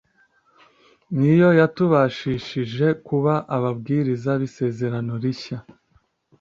Ni yo yatubashishije kuba ababwiriza b’isezerano rishya.”